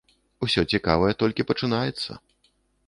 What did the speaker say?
Усё цікавае толькі пачынаецца.